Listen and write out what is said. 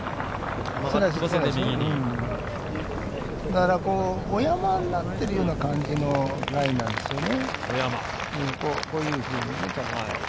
だから、お山になっているような感じのラインなんですよね。